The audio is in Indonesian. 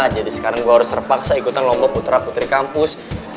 jadi sekarang gua harus terpaksa ikutan lombok putra putri kampus